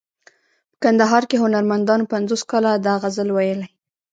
په کندهار کې هنرمندانو پنځوس کاله دا غزل ویلی.